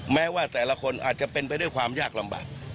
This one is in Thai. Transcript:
แม้ว่าแต่ละคนอาจจะเป็นไปด้วยความยากลำบาก